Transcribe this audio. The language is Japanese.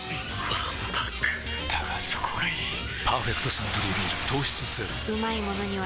わんぱくだがそこがいい「パーフェクトサントリービール糖質ゼロ」